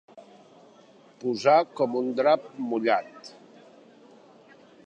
Posar com un drap mullat.